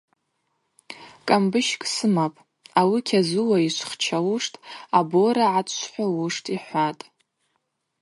Кӏамбыщкӏ сымапӏ, ауи кьазула йшвхчалуштӏ, абора гӏатшвхӏвалуштӏ, – йхӏватӏ.